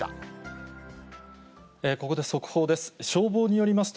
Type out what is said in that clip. ここで速報です。